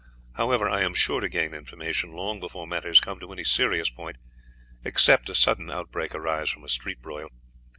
However, I am sure to gain information long before matters come to any serious point, except a sudden outbreak arise from a street broil.